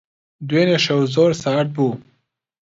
دوێنێ شەو زۆر سارد بوو.